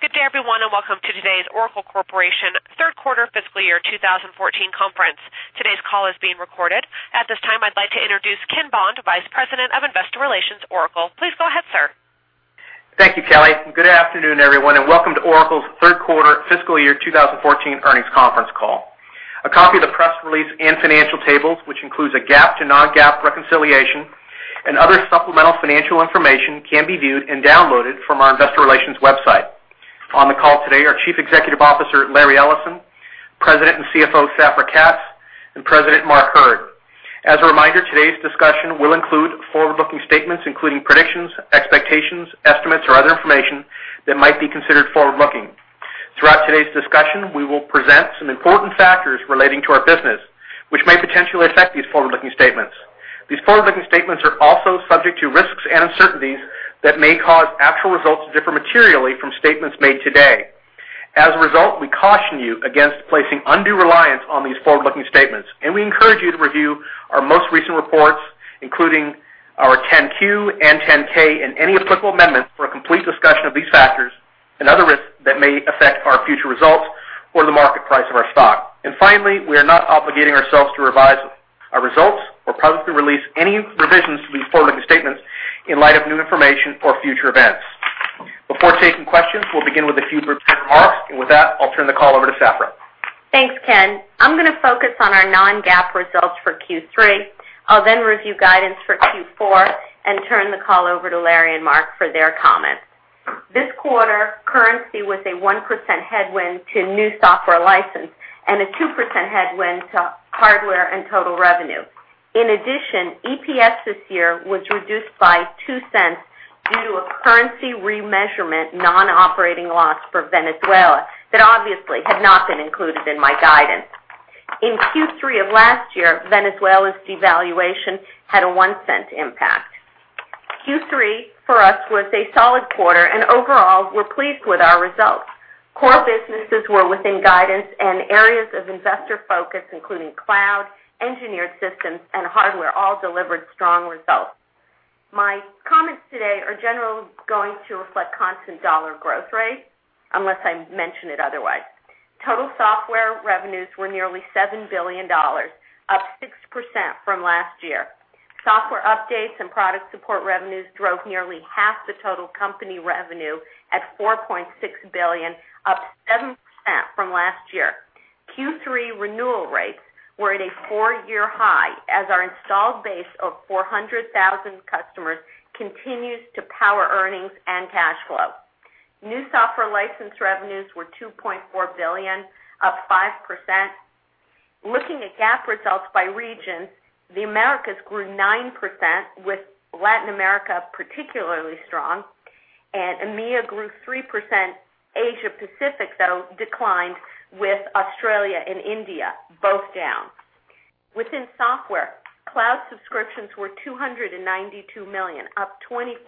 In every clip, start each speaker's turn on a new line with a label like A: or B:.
A: Good day, everyone, welcome to today's Oracle Corporation third quarter fiscal year 2014 conference. Today's call is being recorded. At this time, I'd like to introduce Ken Bond, Vice President of Investor Relations, Oracle. Please go ahead, sir.
B: Thank you, Kelly, and good afternoon, everyone, and welcome to Oracle's third quarter fiscal year 2014 earnings conference call. A copy of the press release and financial tables, which includes a GAAP to non-GAAP reconciliation and other supplemental financial information, can be viewed and downloaded from our investor relations website. On the call today are Chief Executive Officer, Larry Ellison, President and CFO, Safra Catz, and President Mark Hurd. As a reminder, today's discussion will include forward-looking statements, including predictions, expectations, estimates, or other information that might be considered forward-looking. Throughout today's discussion, we will present some important factors relating to our business, which may potentially affect these forward-looking statements. These forward-looking statements are also subject to risks and uncertainties that may cause actual results to differ materially from statements made today. As a result, we caution you against placing undue reliance on these forward-looking statements, and we encourage you to review our most recent reports, including our 10-Q and 10-K, and any applicable amendments for a complete discussion of these factors and other risks that may affect our future results or the market price of our stock. Finally, we are not obligating ourselves to revise our results or publicly release any revisions to these forward-looking statements in light of new information or future events. Before taking questions, we'll begin with a few prepared remarks, and with that, I'll turn the call over to Safra.
C: Thanks, Ken. I'm going to focus on our non-GAAP results for Q3. I'll then review guidance for Q4 and turn the call over to Larry and Mark for their comments. This quarter, currency was a 1% headwind to new software license and a 2% headwind to hardware and total revenue. In addition, EPS this year was reduced by $0.02 due to a currency remeasurement non-operating loss for Venezuela that obviously had not been included in my guidance. In Q3 of last year, Venezuela's devaluation had a $0.01 impact. Q3 for us was a solid quarter, and overall, we're pleased with our results. Core businesses were within guidance and areas of investor focus, including cloud, engineered systems, and hardware, all delivered strong results. My comments today are generally going to reflect constant dollar growth rates unless I mention it otherwise. Total software revenues were nearly $7 billion, up 6% from last year. Software updates and product support revenues drove nearly half the total company revenue at $4.6 billion, up 7% from last year. Q3 renewal rates were at a four-year high as our installed base of 400,000 customers continues to power earnings and cash flow. New software license revenues were $2.4 billion, up 5%. Looking at GAAP results by region, the Americas grew 9%, with Latin America particularly strong, and EMEA grew 3%. Asia-Pacific, though, declined, with Australia and India both down. Within software, cloud subscriptions were $292 million, up 24%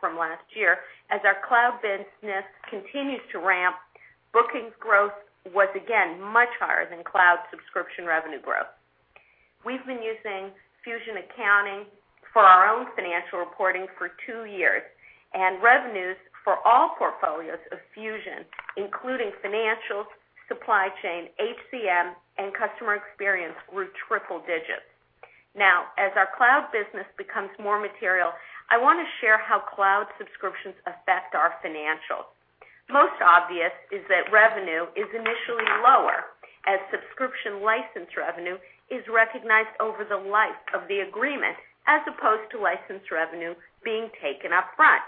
C: from last year. As our cloud business continues to ramp, bookings growth was again much higher than cloud subscription revenue growth. We've been using Fusion accounting for our own financial reporting for two years. Revenues for all portfolios of Fusion, including financials, supply chain, HCM, and customer experience, grew triple digits. As our cloud business becomes more material, I want to share how cloud subscriptions affect our financials. Most obvious is that revenue is initially lower as subscription license revenue is recognized over the life of the agreement as opposed to license revenue being taken up front.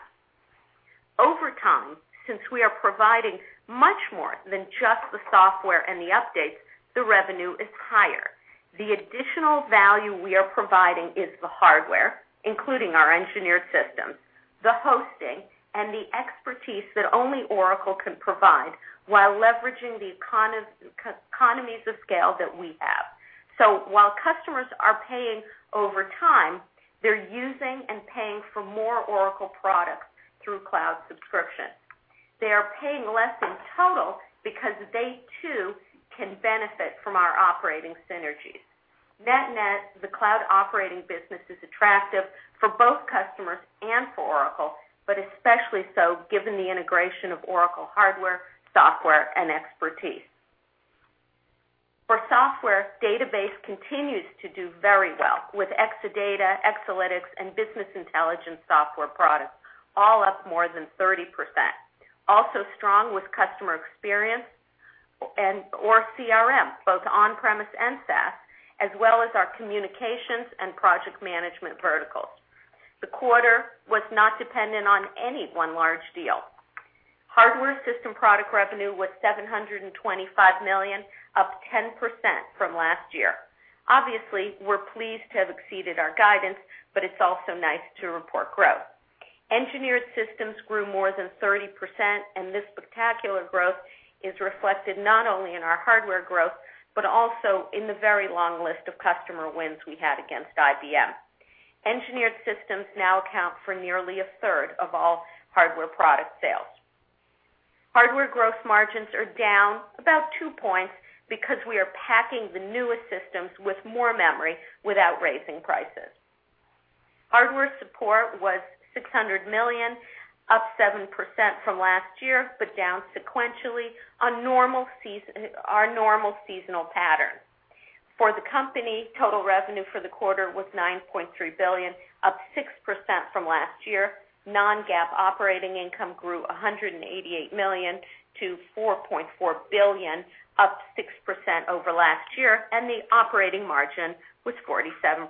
C: Over time, since we are providing much more than just the software and the updates, the revenue is higher. The additional value we are providing is the hardware, including our engineered systems, the hosting, and the expertise that only Oracle can provide while leveraging the economies of scale that we have. While customers are paying over time, they're using and paying for more Oracle products through cloud subscription. They are paying less in total because they too can benefit from our operating synergies. Net net, the cloud operating business is attractive for both customers and for Oracle, but especially so given the integration of Oracle hardware, software, and expertise. For software, database continues to do very well with Exadata, Exalytics, and business intelligence software products all up more than 30%. Also strong with customer experience and/or CRM, both on-premise and SaaS, as well as our communications and project management verticals. The quarter was not dependent on any one large deal. Hardware system product revenue was $725 million, up 10% from last year. Obviously, we're pleased to have exceeded our guidance, but it's also nice to report growth. Engineered Systems grew more than 30%. This spectacular growth is reflected not only in our hardware growth, but also in the very long list of customer wins we had against IBM. Engineered Systems now account for nearly a third of all hardware product sales. Hardware growth margins are down about two points because we are packing the newest systems with more memory without raising prices. Hardware support was $600 million, up 7% from last year, but down sequentially on our normal seasonal pattern. For the company, total revenue for the quarter was $9.3 billion, up 6% from last year. Non-GAAP operating income grew $188 million to $4.4 billion, up 6% over last year. The operating margin was 47%.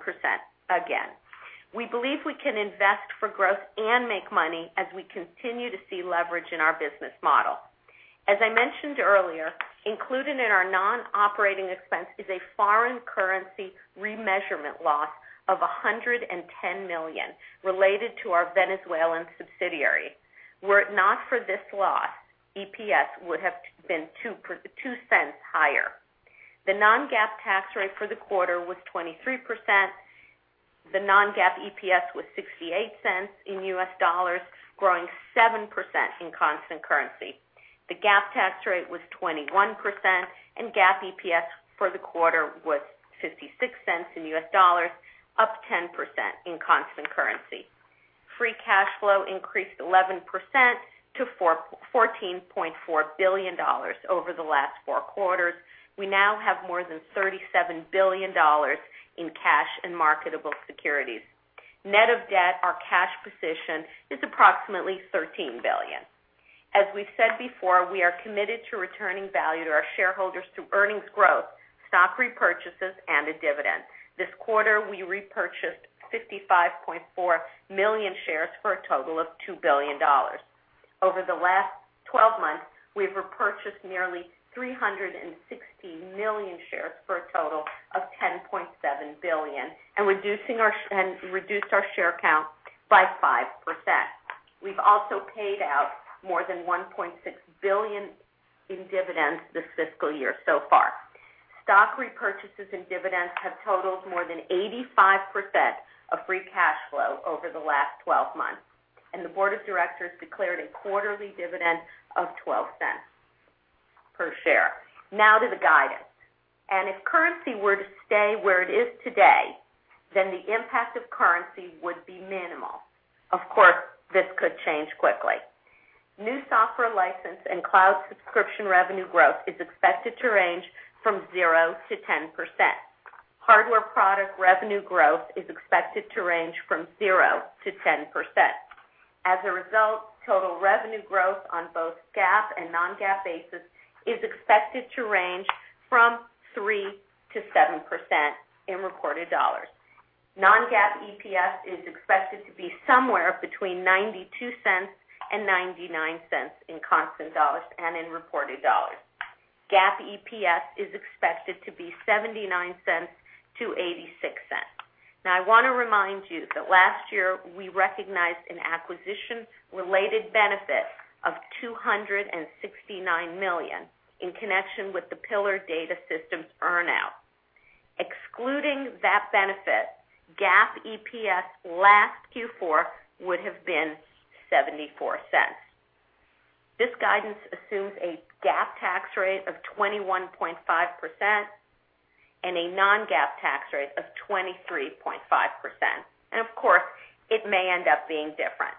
C: We believe we can invest for growth and make money as we continue to see leverage in our business model. As I mentioned earlier, included in our non-operating expense is a foreign currency remeasurement loss of $110 million related to our Venezuelan subsidiary. Were it not for this loss, EPS would have been $0.02 higher. The non-GAAP tax rate for the quarter was 23%. The non-GAAP EPS was $0.68 in US dollars, growing 7% in constant currency. The GAAP tax rate was 21%, and GAAP EPS for the quarter was $0.56 in US dollars, up 10% in constant currency. Free cash flow increased 11% to $14.4 billion over the last four quarters. We now have more than $37 billion in cash and marketable securities. Net of debt, our cash position is approximately $13 billion. As we've said before, we are committed to returning value to our shareholders through earnings growth, stock repurchases, and a dividend. This quarter, we repurchased 55.4 million shares for a total of $2 billion. Over the last 12 months, we've repurchased nearly 360 million shares for a total of $10.7 billion and reduced our share count by 5%. We've also paid out more than $1.6 billion in dividends this fiscal year so far. Stock repurchases and dividends have totaled more than 85% of free cash flow over the last 12 months, and the board of directors declared a quarterly dividend of $0.12 per share. Now to the guidance. If currency were to stay where it is today, then the impact of currency would be minimal. Of course, this could change quickly. New software license and cloud subscription revenue growth is expected to range from 0%-10%. Hardware product revenue growth is expected to range from 0%-10%. As a result, total revenue growth on both GAAP and non-GAAP basis is expected to range from 3%-7% in reported dollars. Non-GAAP EPS is expected to be somewhere between $0.92 and $0.99 in constant dollars and in reported dollars. GAAP EPS is expected to be $0.79-$0.86. Now, I want to remind you that last year, we recognized an acquisition-related benefit of $269 million in connection with the Pillar Data Systems earn out. Excluding that benefit, GAAP EPS last Q4 would have been $0.74. This guidance assumes a GAAP tax rate of 21.5% and a non-GAAP tax rate of 23.5%. Of course, it may end up being different.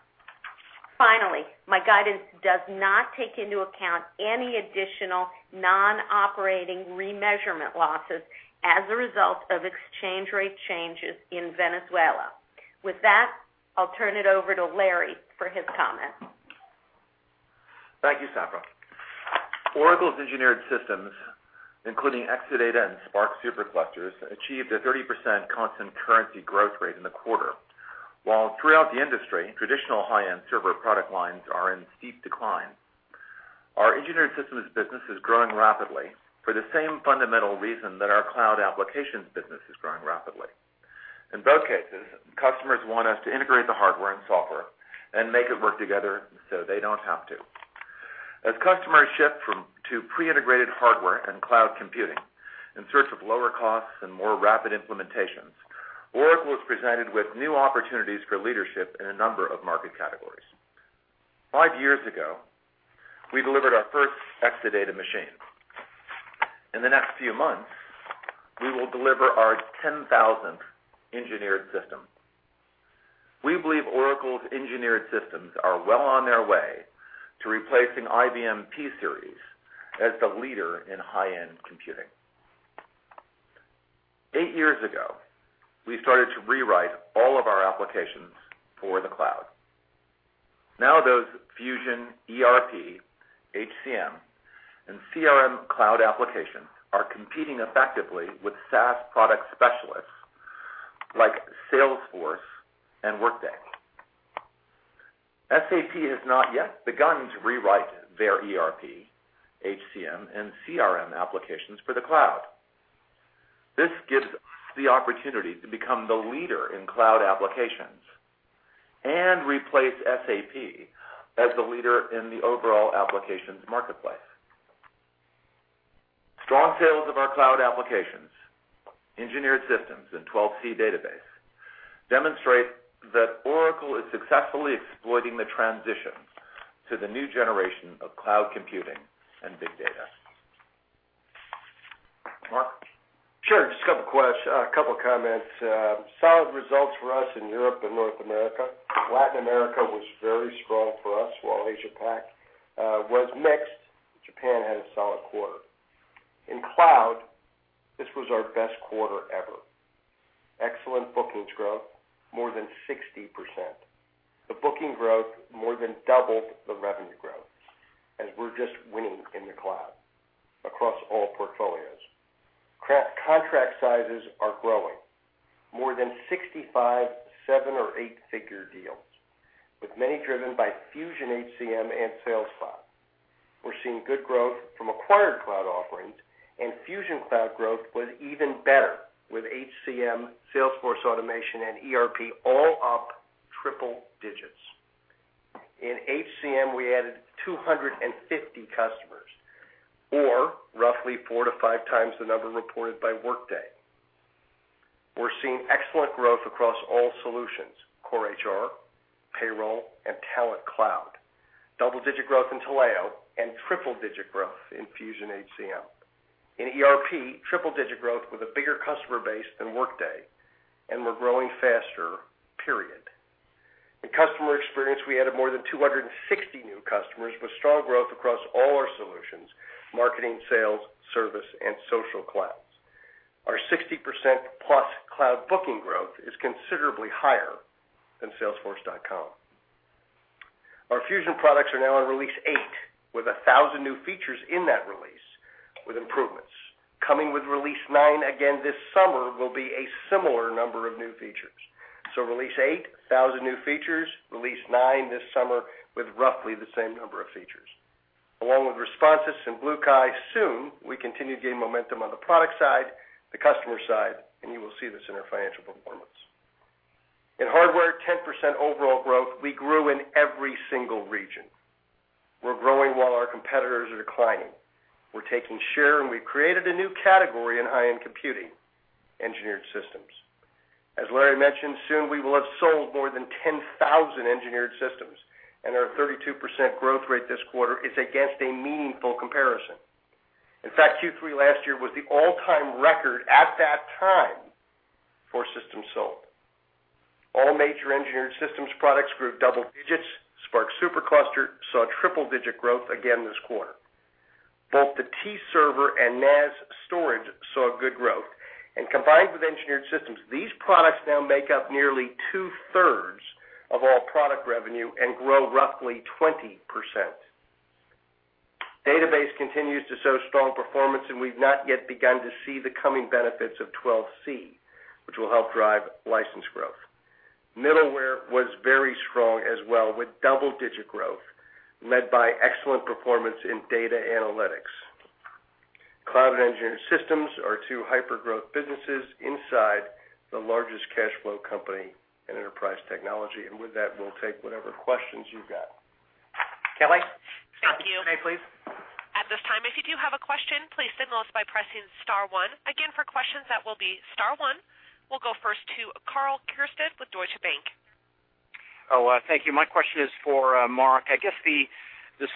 C: Finally, my guidance does not take into account any additional non-operating remeasurement losses as a result of exchange rate changes in Venezuela. With that, I'll turn it over to Larry for his comments.
D: Thank you, Safra. Oracle's engineered systems, including Exadata and SPARC SuperCluster, achieved a 30% constant currency growth rate in the quarter. While throughout the industry, traditional high-end server product lines are in steep decline. Our engineered systems business is growing rapidly for the same fundamental reason that our cloud applications business is growing rapidly. In both cases, customers want us to integrate the hardware and software and make it work together so they don't have to. As customers shift to pre-integrated hardware and cloud computing in search of lower costs and more rapid implementations, Oracle is presented with new opportunities for leadership in a number of market categories. 5 years ago, we delivered our first Exadata machine. In the next few months, we will deliver our 10,000th engineered system. We believe Oracle's engineered systems are well on their way to replacing IBM P-Series as the leader in high-end computing. Eight years ago, we started to rewrite all of our applications for the cloud. Now those Fusion ERP, HCM, and CRM cloud applications are competing effectively with SaaS product specialists like Salesforce and Workday. SAP has not yet begun to rewrite their ERP, HCM, and CRM applications for the cloud. This gives us the opportunity to become the leader in cloud applications and replace SAP as the leader in the overall applications marketplace. Strong sales of our cloud applications, engineered systems, and 12c database demonstrate that Oracle is successfully exploiting the transition to the new generation of cloud computing and big data.
E: Sure. Just a couple of comments. Solid results for us in Europe and North America. Latin America was very strong for us, while Asia Pac was mixed. Japan had a solid quarter. In cloud, this was our best quarter ever. Excellent bookings growth, more than 60%. The booking growth more than doubled the revenue growth, as we're just winning in the cloud across all portfolios. Contract sizes are growing. More than 65 seven or eight-figure deals, with many driven by Fusion HCM and Sales Cloud. We're seeing good growth from acquired cloud offerings, and Fusion Cloud growth was even better, with HCM, Sales Automation, and ERP all up triple digits. In HCM, we added 250 customers, or roughly four to five times the number reported by Workday. We're seeing excellent growth across all solutions, Core HR, Payroll, and Talent Cloud. Double-digit growth in Taleo and triple-digit growth in Fusion HCM. In ERP, triple-digit growth with a bigger customer base than Workday, and we're growing faster, period. In customer experience, we added more than 260 new customers with strong growth across all our solutions, Marketing, Sales, Service, and Social Clouds. Our 60%-plus cloud booking growth is considerably higher than salesforce.com. Our Fusion products are now on release eight, with 1,000 new features in that release with improvements. Coming with release nine again this summer will be a similar number of new features. So release eight, 1,000 new features, release nine this summer with roughly the same number of features. Along with Responsys and BlueKai soon, we continue to gain momentum on the product side, the customer side, and you will see this in our financial performance. In hardware, 10% overall growth. We grew in every single region. We're growing while our competitors are declining. We're taking share, and we've created a new category in high-end computing, engineered systems. As Larry mentioned, soon we will have sold more than 10,000 engineered systems, and our 32% growth rate this quarter is against a meaningful comparison. In fact, Q3 last year was the all-time record at that time for systems sold. All major engineered systems products grew double digits. SPARC SuperCluster saw triple-digit growth again this quarter. Both the T Server and NAS storage saw good growth. Combined with engineered systems, these products now make up nearly two-thirds of all product revenue and grow roughly 20%. Database continues to show strong performance, and we've not yet begun to see the coming benefits of 12c, which will help drive license growth. Middleware was very strong as well, with double-digit growth led by excellent performance in data analytics. Cloud and engineered systems are two hypergrowth businesses inside the largest cash flow company in enterprise technology. With that, we'll take whatever questions you've got.
B: Kelly?
A: Thank you.
B: Can I, please?
A: At this time, if you do have a question, please signal us by pressing star one. Again, for questions, that will be star one. We'll go first to Karl Keirstead with Deutsche Bank.
F: Oh, thank you. My question is for Mark. I guess the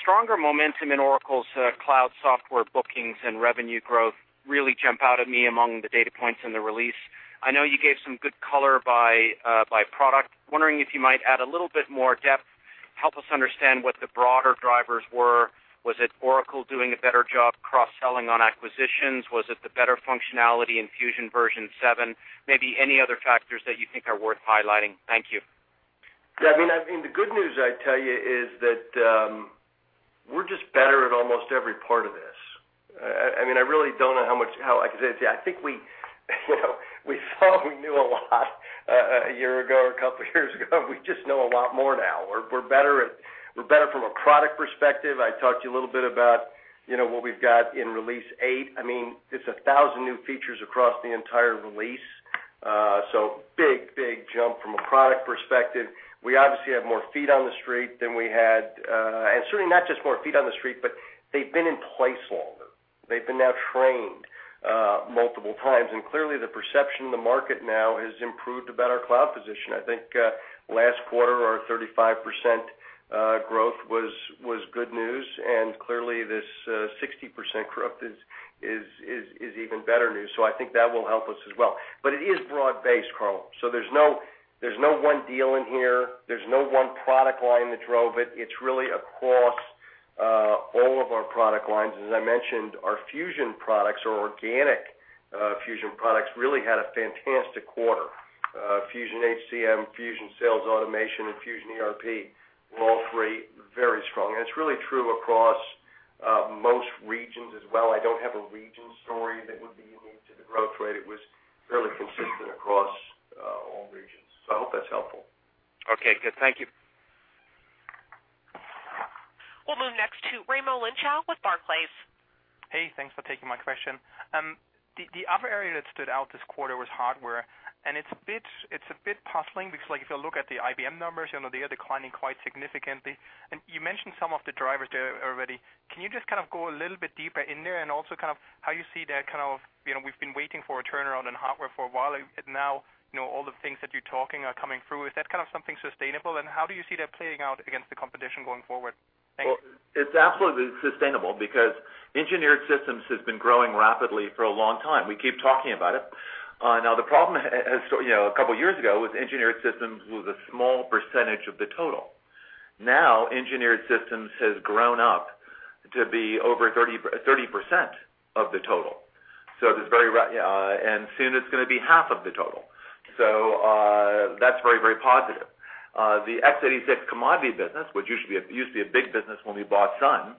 F: stronger momentum in Oracle's cloud software bookings and revenue growth really jump out at me among the data points in the release. I know you gave some good color by product. Wondering if you might add a little bit more depth, help us understand what the broader drivers were. Was it Oracle doing a better job cross-selling on acquisitions? Was it the better functionality in Fusion version 7? Maybe any other factors that you think are worth highlighting. Thank you.
E: The good news I'd tell you is that we're just better at almost every part of this. I really don't know how I could say it to you. I think we thought we knew a lot a year ago or a couple of years ago. We just know a lot more now. We're better from a product perspective. I talked to you a little bit about what we've got in release 8. It's 1,000 new features across the entire release. Big jump from a product perspective. We obviously have more feet on the street than we had, and certainly not just more feet on the street, but they've been in place longer. They've been now trained multiple times, and clearly the perception in the market now has improved about our cloud position. I think last quarter, our 35% growth was good news, and clearly this 60% growth is even better news. I think that will help us as well. It is broad-based, Karl. There's no one deal in here. There's no one product line that drove it. It's really across all of our product lines. As I mentioned, our Fusion products or organic Fusion products really had a fantastic quarter. Fusion HCM, Fusion Sales Automation, and Fusion ERP were all three very strong. It's really true across most regions as well. I don't have a region story that would be unique to the growth rate. It was fairly consistent across all regions. I hope that's helpful.
F: Good. Thank you.
A: We'll move next to Raimo Lenschow with Barclays.
G: Hey, thanks for taking my question. The other area that stood out this quarter was hardware, it's a bit puzzling because if you look at the IBM numbers, they are declining quite significantly. You mentioned some of the drivers there already. Can you just go a little bit deeper in there? Also how you see that, we've been waiting for a turnaround in hardware for a while, now all the things that you're talking are coming through. Is that something sustainable, and how do you see that playing out against the competition going forward? Thank you.
E: Well, it's absolutely sustainable because engineered systems has been growing rapidly for a long time. We keep talking about it.
D: The problem a couple years ago was engineered systems was a small percentage of the total. Engineered systems has grown up to be over 30% of the total. Soon it's going to be half of the total. That's very positive. The x86 commodity business, which used to be a big business when we bought Sun,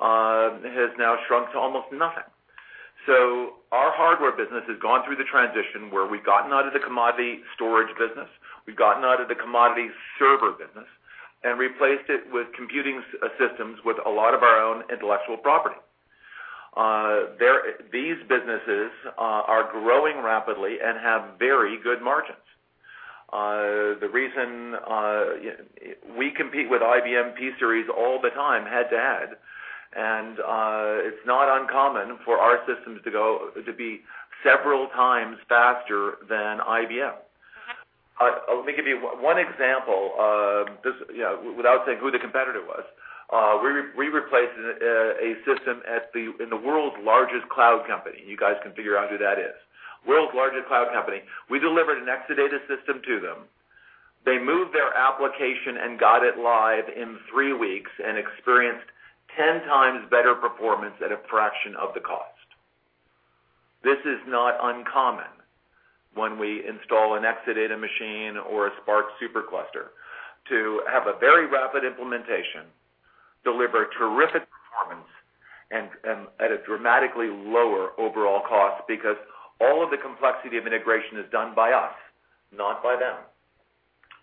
D: has now shrunk to almost nothing. Our hardware business has gone through the transition where we've gotten out of the commodity storage business, we've gotten out of the commodity server business and replaced it with computing systems with a lot of our own intellectual property. These businesses are growing rapidly and have very good margins. The reason we compete with IBM P-Series all the time head to head, it's not uncommon for our systems to be several times faster than IBM. Let me give you one example without saying who the competitor was. We replaced a system in the world's largest cloud company. You guys can figure out who that is. World's largest cloud company. We delivered an Exadata system to them. They moved their application and got it live in three weeks and experienced 10 times better performance at a fraction of the cost. This is not uncommon when we install an Exadata machine or a SPARC SuperCluster to have a very rapid implementation, deliver terrific performance, and at a dramatically lower overall cost because all of the complexity of integration is done by us, not by them.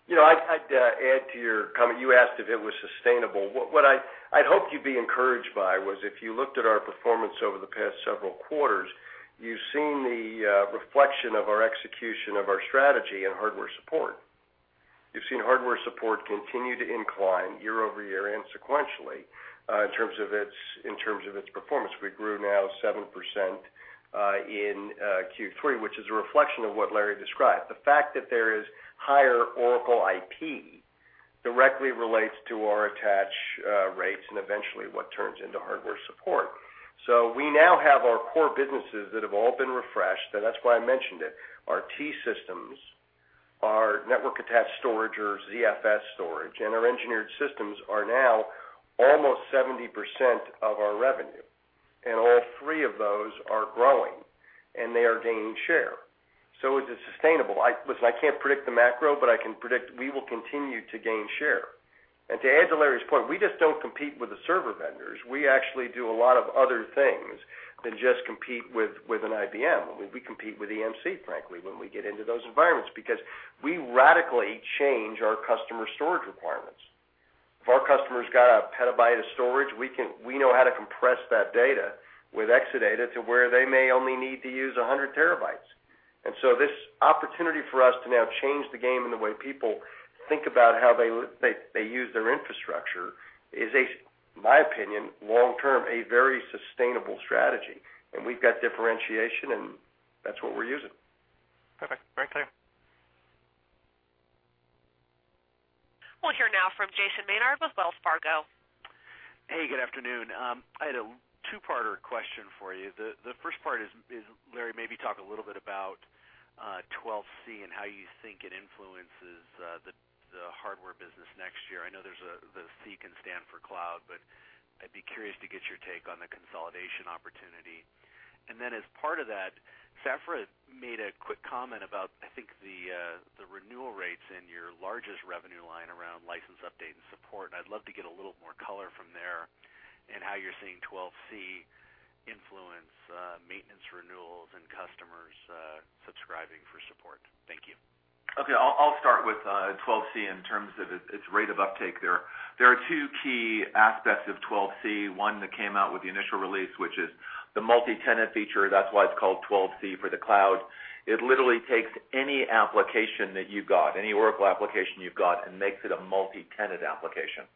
E: I'd add to your comment. You asked if it was sustainable. What I'd hope you'd be encouraged by was if you looked at our performance over the past several quarters, you've seen the reflection of our execution of our strategy in hardware support. You've seen hardware support continue to incline year-over-year and sequentially, in terms of its performance. We grew now 7% in Q3, which is a reflection of what Larry described. The fact that there is higher Oracle IP directly relates to our attach rates and eventually what turns into hardware support. We now have our core businesses that have all been refreshed, and that's why I mentioned it. Our T systems, our network attached storage or ZFS storage, and our engineered systems are now almost 70% of our revenue, and all three of those are growing, and they are gaining share. Is it sustainable? Listen, I can't predict the macro, but I can predict we will continue to gain share. To add to Larry's point, we just don't compete with the server vendors. We actually do a lot of other things than just compete with an IBM. We compete with EMC, frankly, when we get into those environments, because we radically change our customer storage requirements. If our customer's got a petabyte of storage, we know how to compress that data with Exadata to where they may only need to use 100 terabytes. This opportunity for us to now change the game in the way people think about how they use their infrastructure is, in my opinion, long-term, a very sustainable strategy. We've got differentiation, and that's what we're using.
G: Perfect. Very clear.
A: We'll hear now from Jason Maynard with Wells Fargo.
H: Hey, good afternoon. I had a two-parter question for you. The first part is, Larry, maybe talk a little bit about 12c and how you think it influences the hardware business next year. I know the C can stand for cloud, but I'd be curious to get your take on the consolidation opportunity. As part of that, Safra made a quick comment about, I think, the renewal rates in your largest revenue line around license update and support, and I'd love to get a little more color from there in how you're seeing 12c influence maintenance renewals and customers subscribing for support. Thank you.
D: Okay. I'll start with 12c in terms of its rate of uptake there. There are two key aspects of 12c. One that came out with the initial release, which is the multi-tenant feature. That's why it's called 12c for the cloud. It literally takes any application that you've got, any Oracle application you've got, and makes it a multi-tenant application.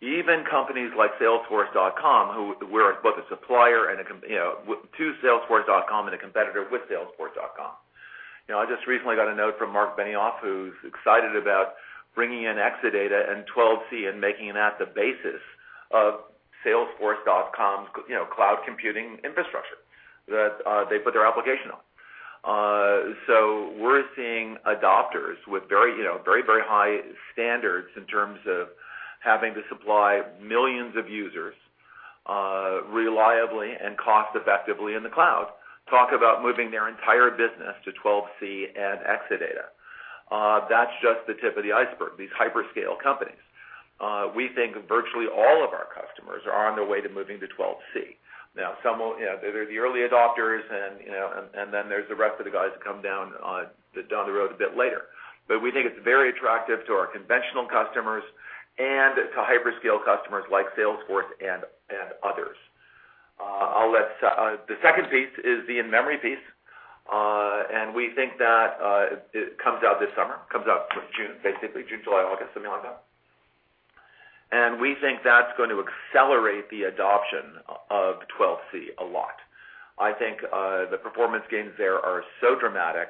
D: Even companies like salesforce.com, we're both a supplier to salesforce.com and a competitor with salesforce.com. I just recently got a note from Marc Benioff, who's excited about bringing in Exadata and 12c and making that the basis of salesforce.com's cloud computing infrastructure that they put their application on. We're seeing adopters with very high standards in terms of having to supply millions of users reliably and cost effectively in the cloud, talk about moving their entire business to 12c and Exadata. That's just the tip of the iceberg, these hyperscale companies. We think virtually all of our customers are on their way to moving to 12c. There's the early adopters, and then there's the rest of the guys that come down the road a bit later. We think it's very attractive to our conventional customers and to hyperscale customers like Salesforce and others. The second piece is the in-memory piece. We think that it comes out this summer, comes out June, basically June, July, August, something like that. We think that's going to accelerate the adoption of 12c a lot. I think the performance gains there are so dramatic.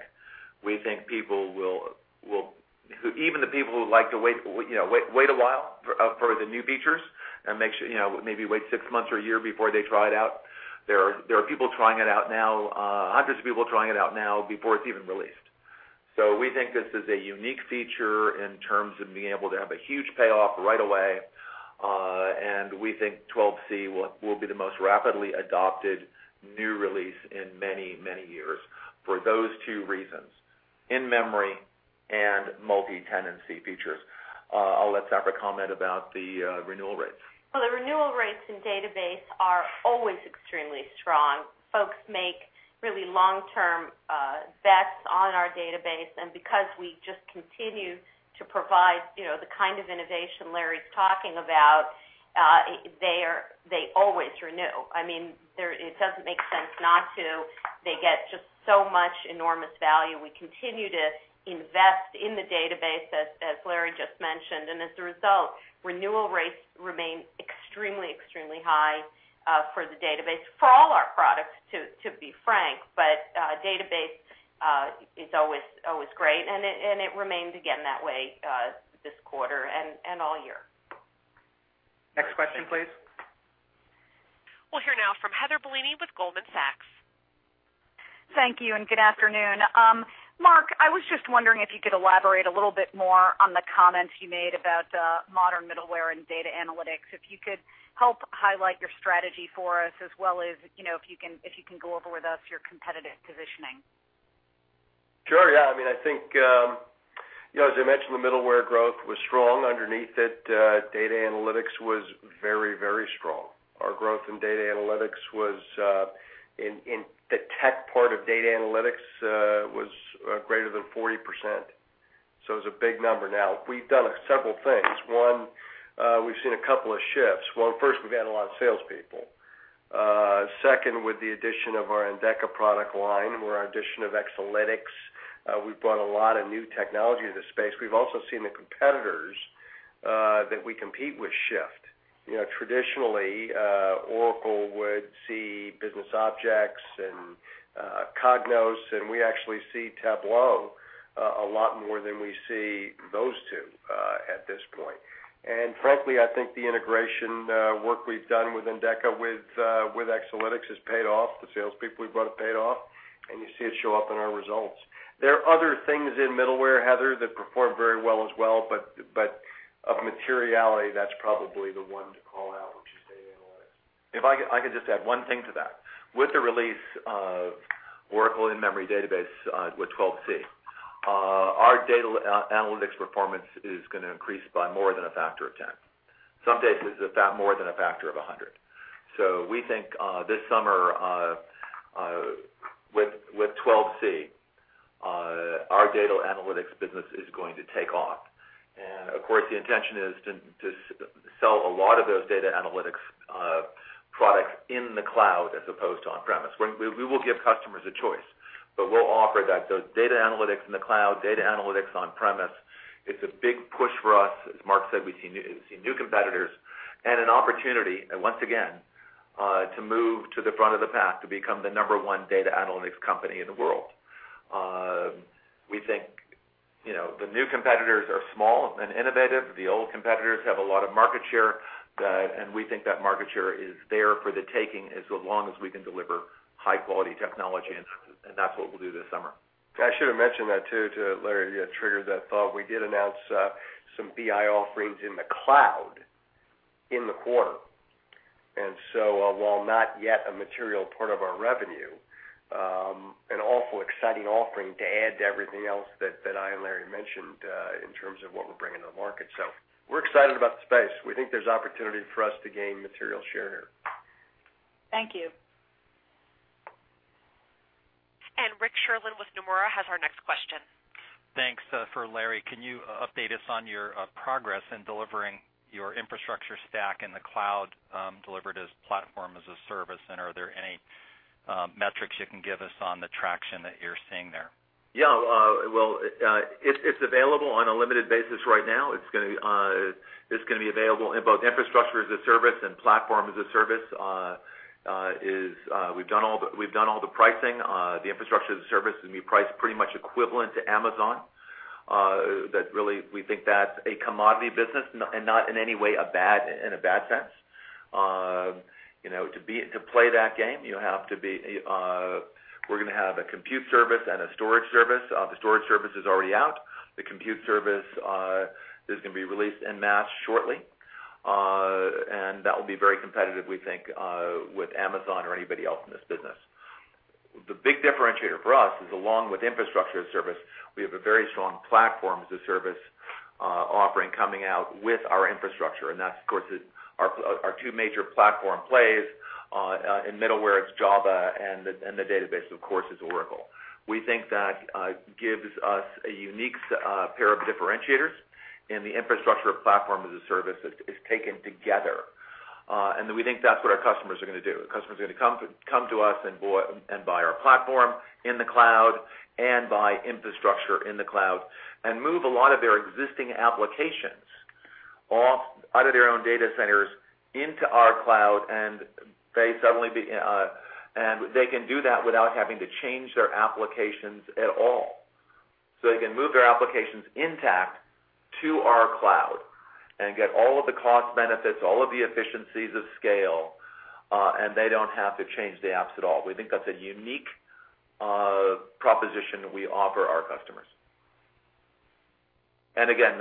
D: We think even the people who like to wait a while for the new features and maybe wait six months or a year before they try it out, there are hundreds of people trying it out now before it's even released. We think this is a unique feature in terms of being able to have a huge payoff right away. We think 12c will be the most rapidly adopted new release in many years for those two reasons, in-memory and multi-tenancy features. I'll let Safra comment about the renewal rates.
C: Well, the renewal rates in database are always extremely strong. Folks make really long-term bets on our database. Because we just continue to provide the kind of innovation Larry's talking about, they always renew. It doesn't make sense not to. They get just so much enormous value. We continue to invest in the database, as Larry just mentioned, and as a result, renewal rates remain extremely high for the database, for all our products, to be frank, but database is always great, and it remained again that way this quarter and all year.
B: Next question, please.
A: We'll hear now from Heather Bellini with Goldman Sachs.
I: Thank you, and good afternoon. Mark, I was just wondering if you could elaborate a little bit more on the comments you made about modern middleware and data analytics. If you could help highlight your strategy for us as well as if you can go over with us your competitive positioning.
E: Sure, yeah. As I mentioned, the middleware growth was strong. Underneath it, data analytics was very strong. Our growth in data analytics was, in the tech part of data analytics, was greater than 40%, so it's a big number now. We've done several things. One, we've seen a couple of shifts. First, we've added a lot of salespeople. Second, with the addition of our Endeca product line or our addition of Exalytics, we've brought a lot of new technology to the space. We've also seen the competitors that we compete with shift. Traditionally, Oracle would see Business Objects and Cognos, we actually see Tableau a lot more than we see those two at this point. Frankly, I think the integration work we've done with Endeca, with Exalytics has paid off. The salespeople we've brought have paid off, and you see it show up in our results. There are other things in middleware, Heather, that perform very well as well, but of materiality, that's probably the one to call out, which is data analytics.
D: If I could just add one thing to that. With the release of Oracle Database In-Memory with 12c, our data analytics performance is going to increase by more than a factor of 10. Some cases, about more than a factor of 100. We think this summer with 12c, our data analytics business is going to take off. Of course, the intention is to sell a lot of those data analytics products in the cloud as opposed to on-premise. We will give customers a choice, but we'll offer that, those data analytics in the cloud, data analytics on-premise. It's a big push for us. As Mark said, we see new competitors and an opportunity, once again, to move to the front of the pack to become the number one data analytics company in the world. We think the new competitors are small and innovative. The old competitors have a lot of market share, and we think that market share is there for the taking as long as we can deliver high-quality technology, and that's what we'll do this summer.
E: I should have mentioned that too, to Larry, triggered that thought. We did announce some BI offerings in the cloud in the quarter. While not yet a material part of our revenue, an awful exciting offering to add to everything else that I and Larry mentioned in terms of what we're bringing to the market. We're excited about the space. We think there's opportunity for us to gain material share here.
I: Thank you.
A: Rick Sherlund with Nomura has our next question.
J: Thanks. For Larry, can you update us on your progress in delivering your infrastructure stack in the cloud delivered as platform as a service, and are there any metrics you can give us on the traction that you're seeing there?
D: Yeah. Well, it's available on a limited basis right now. It's going to be available in both infrastructure as a service and platform as a service. We've done all the pricing. The infrastructure as a service is going to be priced pretty much equivalent to Amazon. We think that's a commodity business and not in any way in a bad sense. To play that game, we're going to have a compute service and a storage service. The storage service is already out. The compute service is going to be released en masse shortly. That will be very competitive, we think, with Amazon or anybody else in this business. The big differentiator for us is along with infrastructure as a service, we have a very strong platform as a service offering coming out with our infrastructure, and that's, of course, our two major platform plays. In middleware, it's Java, and the database, of course, is Oracle. We think that gives us a unique pair of differentiators, and the infrastructure platform as a service is taken together. We think that's what our customers are going to do. The customer's going to come to us and buy our platform in the cloud and buy infrastructure in the cloud and move a lot of their existing applications Off out of their own data centers into our cloud, and they can do that without having to change their applications at all. They can move their applications intact to our cloud and get all of the cost benefits, all of the efficiencies of scale, and they don't have to change the apps at all. We think that's a unique proposition we offer our customers. Again,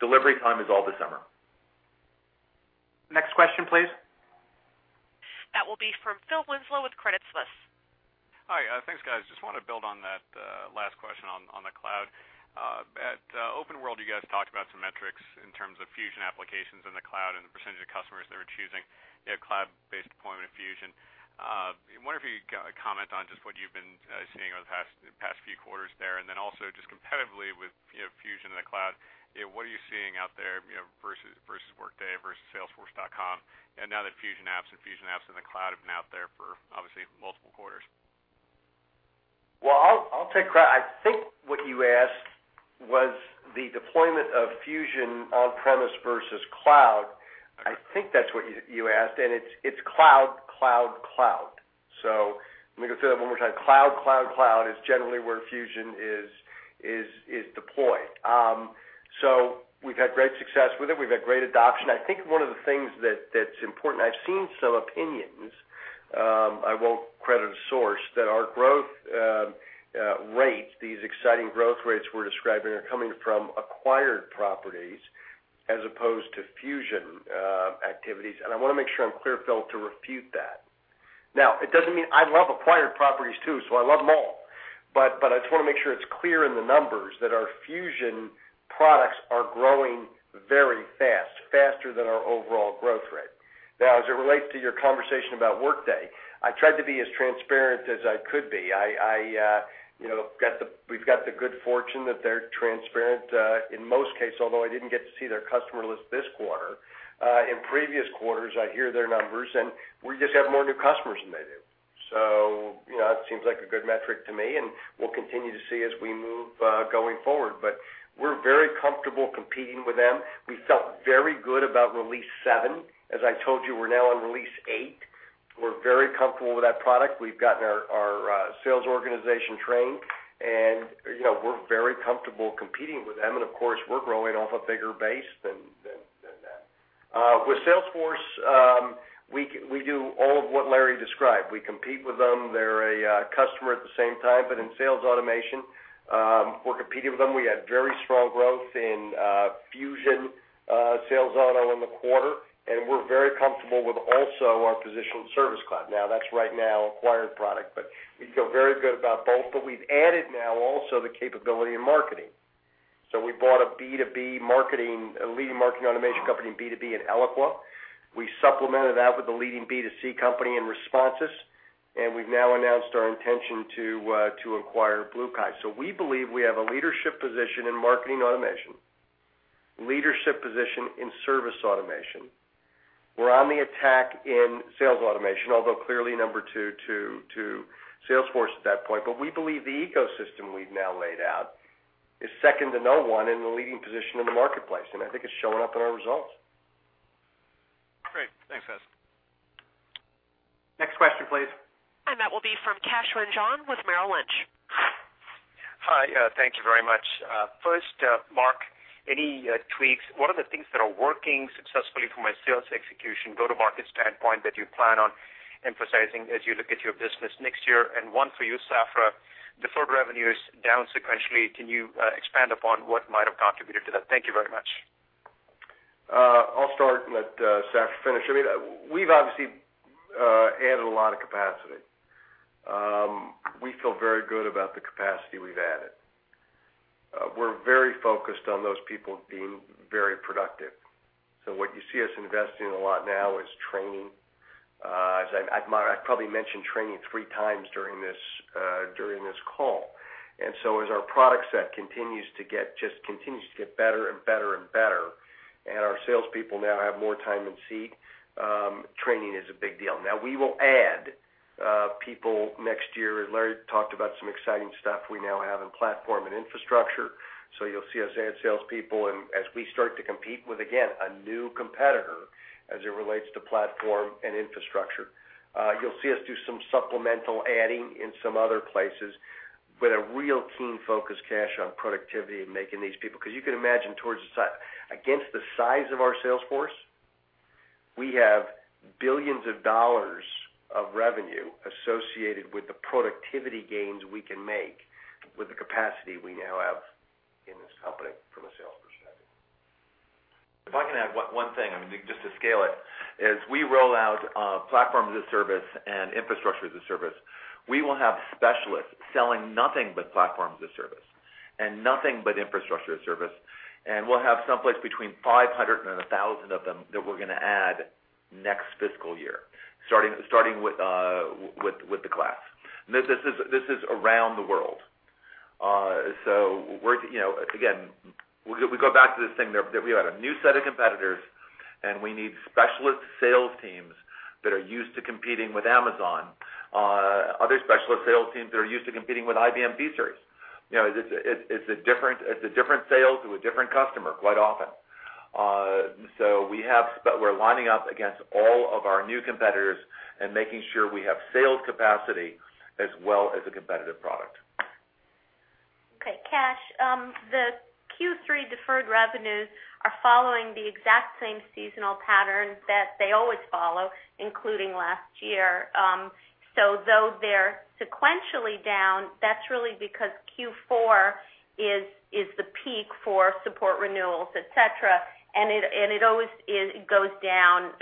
D: delivery time is all this summer.
B: Next question, please.
A: That will be from Phil Winslow with Credit Suisse.
K: Hi. Thanks, guys. Just want to build on that last question on the cloud. At Open World, you guys talked about some metrics in terms of Fusion applications in the cloud and the percentage of customers that are choosing a cloud-based deployment of Fusion. I wonder if you could comment on just what you've been seeing over the past few quarters there. Also just competitively with Fusion in the cloud, what are you seeing out there versus Workday, versus salesforce.com, and now that Fusion apps and Fusion apps in the cloud have been out there for obviously multiple quarters?
E: I'll take that. I think what you asked was the deployment of Fusion on-premise versus cloud. I think that's what you asked, and it's cloud. Let me go through that one more time, cloud is generally where Fusion is deployed. We've had great success with it. We've had great adoption. I think one of the things that's important, I've seen some opinions, I won't credit a source, that our growth rates, these exciting growth rates we're describing are coming from acquired properties as opposed to Fusion activities. I want to make sure I'm clear, Phil, to refute that. It doesn't mean I love acquired properties, too, so I love them all. I just want to make sure it's clear in the numbers that our Fusion products are growing very fast, faster than our overall growth rate. As it relates to your conversation about Workday, I tried to be as transparent as I could be. We've got the good fortune that they're transparent, in most cases, although I didn't get to see their customer list this quarter. In previous quarters, I hear their numbers, and we just have more new customers than they do. That seems like a good metric to me, and we'll continue to see as we move going forward. We're very comfortable competing with them. We felt very good about release seven. As I told you, we're now on release eight. We're very comfortable with that product. We've gotten our sales organization trained, and we're very comfortable competing with them. Of course, we're growing off a bigger base than them. With Salesforce, we do all of what Larry described. We compete with them. They're a customer at the same time. In sales automation, we're competing with them. We had very strong growth in Fusion sales auto in the quarter, and we're very comfortable with also our position in Service Cloud. That's right now acquired product, but we feel very good about both. We've added now also the capability in marketing. We bought a leading marketing automation company in B2B in Eloqua. We supplemented that with the leading B2C company in Responsys, and we've now announced our intention to acquire BlueKai. We believe we have a leadership position in marketing automation, leadership position in service automation. We're on the attack in sales automation, although clearly number two to Salesforce at that point. We believe the ecosystem we've now laid out is second to no one in the leading position in the marketplace, and I think it's showing up in our results.
K: Great. Thanks, guys.
D: Next question, please.
A: That will be from Kash Rangan with Merrill Lynch.
L: Hi. Thank you very much. First, Mark, any tweaks? What are the things that are working successfully from a sales execution go-to-market standpoint that you plan on emphasizing as you look at your business next year? One for you, Safra, deferred revenue is down sequentially. Can you expand upon what might have contributed to that? Thank you very much.
E: I'll start and let Saf finish. We've obviously added a lot of capacity. We feel very good about the capacity we've added. We're very focused on those people being very productive. What you see us investing a lot now is training. I probably mentioned training three times during this call. As our product set continues to get better and better, and our salespeople now have more time in seat, training is a big deal. Now, we will add people next year. Larry talked about some exciting stuff we now have in platform and infrastructure. You'll see us add salespeople, and as we start to compete with, again, a new competitor as it relates to platform and infrastructure. You'll see us do some supplemental adding in some other places with a real keen focus, Kash, on productivity and making these people. You can imagine against the size of our sales force, we have billions of dollars of revenue associated with the productivity gains we can make with the capacity we now have in this company from a sales perspective.
D: If I can add one thing, just to scale it, as we roll out platform as a service and infrastructure as a service, we will have specialists selling nothing but platform as a service and nothing but infrastructure as a service. We'll have someplace between 500 and 1,000 of them that we're going to add next fiscal year, starting with the class. This is around the world. Again, we go back to this thing there that we have a new set of competitors. We need specialist sales teams that are used to competing with Amazon. Other specialist sales teams that are used to competing with IBM P-Series. It's a different sale to a different customer quite often. We're lining up against all of our new competitors and making sure we have sales capacity as well as a competitive product.
C: Okay, Kash, the Q3 deferred revenues are following the exact same seasonal patterns that they always follow, including last year. Though they're sequentially down, that's really because Q4 is the peak for support renewals, et cetera, and it always goes down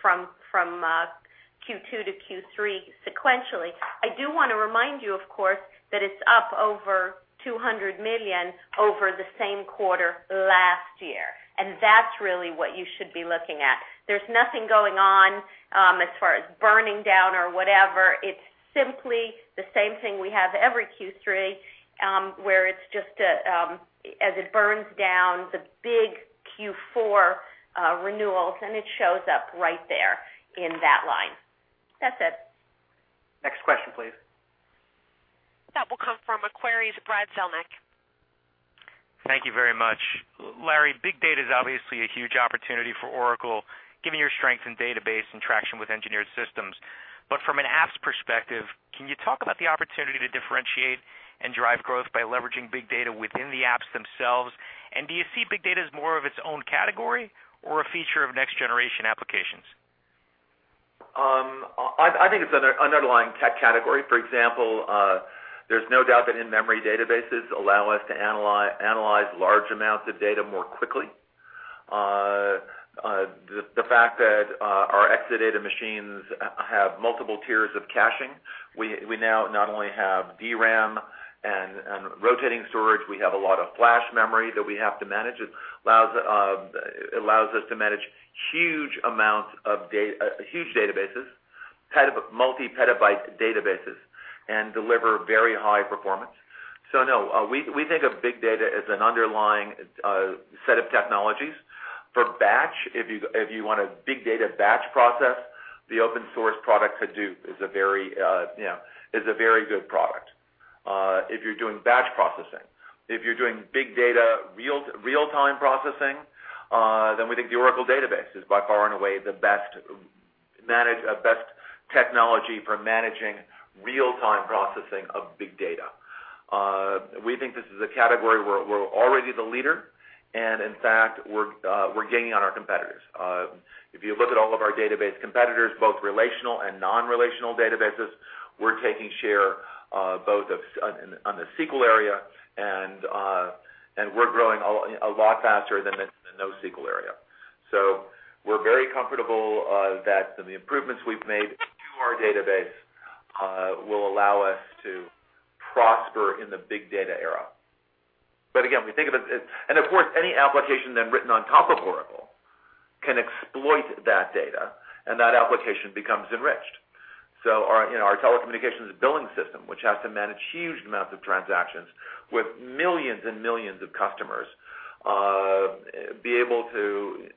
C: from Q2 to Q3 sequentially. I do want to remind you, of course, that it's up over $200 million over the same quarter last year, and that's really what you should be looking at. There's nothing going on as far as burning down or whatever. It's simply the same thing we have every Q3, where it's just as it burns down the big Q4 renewals, and it shows up right there in that line. That's it.
B: Next question, please.
A: That will come from Macquarie's, Brad Zelnick.
M: Thank you very much. Larry, big data is obviously a huge opportunity for Oracle, given your strength in database and traction with engineered systems. From an apps perspective, can you talk about the opportunity to differentiate and drive growth by leveraging big data within the apps themselves? Do you see big data as more of its own category or a feature of next-generation applications?
D: I think it's an underlying category. For example, there's no doubt that in-memory databases allow us to analyze large amounts of data more quickly. The fact that our Exadata machines have multiple tiers of caching. We now not only have DRAM and rotating storage, we have a lot of flash memory that we have to manage. It allows us to manage huge databases, multi-petabyte databases, and deliver very high performance. No, we think of big data as an underlying set of technologies. For batch, if you want a big data batch process, the open source product, Hadoop, is a very good product if you're doing batch processing. If you're doing big data real-time processing, we think the Oracle database is by far and away the best technology for managing real-time processing of big data. We think this is a category where we're already the leader. In fact, we're gaining on our competitors. If you look at all of our database competitors, both relational and non-relational databases, we're taking share both on the SQL area, we're growing a lot faster than the NoSQL area. We're very comfortable that the improvements we've made to our database will allow us to prosper in the big data era. Of course, any application then written on top of Oracle can exploit that data, and that application becomes enriched. Our telecommunications billing system, which has to manage huge amounts of transactions with millions and millions of customers, be able to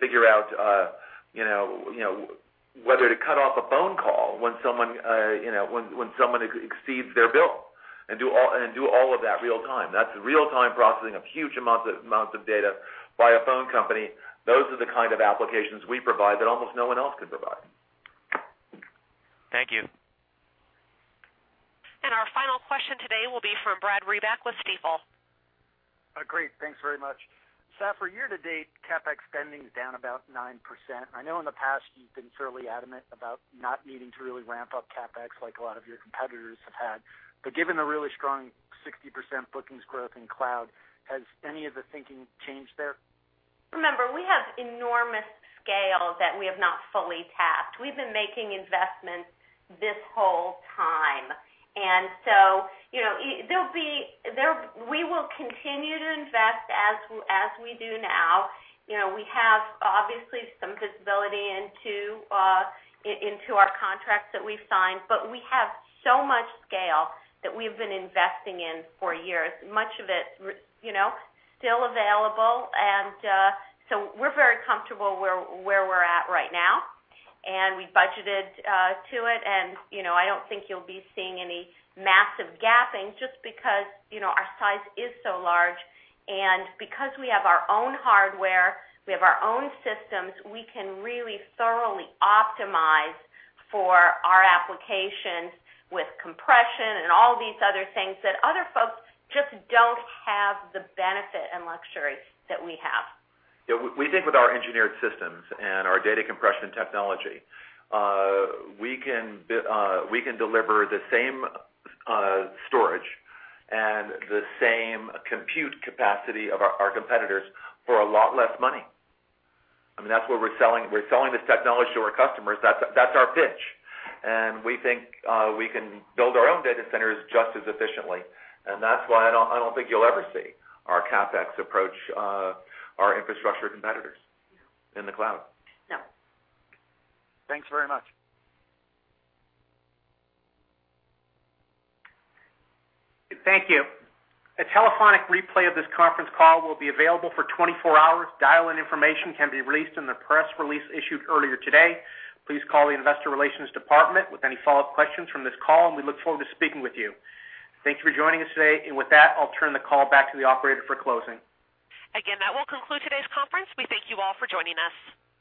D: figure out whether to cut off a phone call when someone exceeds their bill and do all of that real-time. That's real-time processing of huge amounts of data by a phone company. Those are the kind of applications we provide that almost no one else can provide.
M: Thank you.
A: Our final question today will be from Brad Reback with Stifel.
N: Great. Thanks very much. Safra, year-to-date, CapEx spending is down about 9%. I know in the past you've been fairly adamant about not needing to really ramp up CapEx like a lot of your competitors have had. Given the really strong 60% bookings growth in cloud, has any of the thinking changed there?
C: Remember, we have enormous scale that we have not fully tapped. We've been making investments this whole time. So we will continue to invest as we do now. We have obviously some visibility into our contracts that we've signed, we have so much scale that we've been investing in for years, much of it still available. So we're very comfortable where we're at right now, and we budgeted to it. I don't think you'll be seeing any massive gapping just because our size is so large. Because we have our own hardware, we have our own systems, we can really thoroughly optimize for our applications with compression and all these other things that other folks just don't have the benefit and luxury that we have.
D: Yeah. We think with our engineered systems and our data compression technology, we can deliver the same storage and the same compute capacity of our competitors for a lot less money. We're selling this technology to our customers. That's our pitch. We think we can build our own data centers just as efficiently, that's why I don't think you'll ever see our CapEx approach our infrastructure competitors in the cloud.
C: No.
N: Thanks very much.
B: Thank you. A telephonic replay of this conference call will be available for 24 hours. Dial-in information can be released in the press release issued earlier today. Please call the investor relations department with any follow-up questions from this call, and we look forward to speaking with you. Thank you for joining us today. With that, I'll turn the call back to the operator for closing.
A: Again, that will conclude today's conference. We thank you all for joining us.